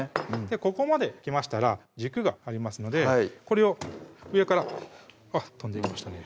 ここまできましたら軸がありますのでこれを上からあっ飛んでいきましたね